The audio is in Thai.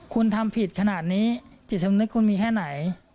คุณทำผิดขนาดนี้จิตสำนึกคุณมีแค่ไหน